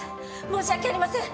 申し訳ありません。